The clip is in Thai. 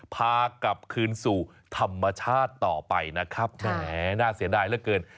พากลับคืนสู่ธรรมชาติต่อไปนะครับแหมน่าเสียดายเหลือเกิน